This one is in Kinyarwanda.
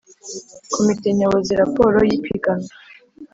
Komite nyobozi raporo y ipiganwa